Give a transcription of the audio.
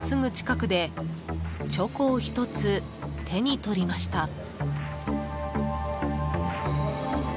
Ｇメンのすぐ近くでチョコを１つ手に取りました。